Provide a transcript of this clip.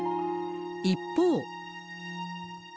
一方。